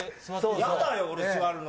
やだよ、俺座るの。